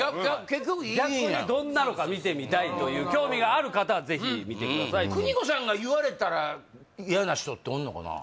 結局いいんやん逆にどんなのか見てみたいという興味がある方はぜひ見てください邦子さんが言われたら嫌な人っておるのかな